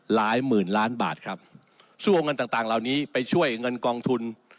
หมื่นล้านบาทครับสู้เอาเงินต่างต่างเหล่านี้ไปช่วยเงินกองทุน